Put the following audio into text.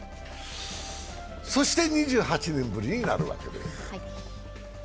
そして２８年ぶりになるわけです。